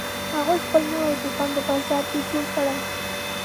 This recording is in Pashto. هغوی خپل نوی دوکان په بازار کې جوړ کړی